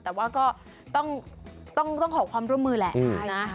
แต่ว่าก็ต้องขอความร่วมมือแหละนะ